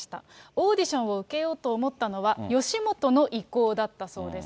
オーディションを受けようと思ったのは、吉本の意向だったそうです。